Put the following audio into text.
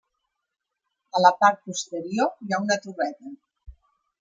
A la part posterior hi ha una torreta.